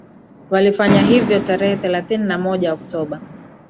walifanya hivyo tarehe thelathini na moja oktoba